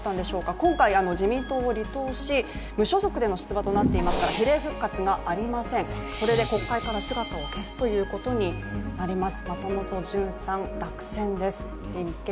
今回、自民党を離党し無所属の出馬となってますから比例復活がありません、これで国会から姿を消すということになります。